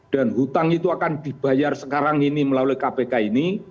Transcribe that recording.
dan hutang itu akan dibayar sekarang ini melalui kpk ini